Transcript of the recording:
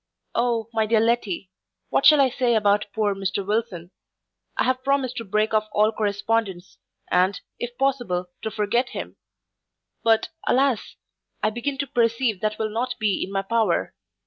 O, my dear Letty! what shall I say about poor Mr Wilson? I have promised to break off all correspondence, and, if possible, to forget him: but, alas! I begin to perceive that will not be in my power.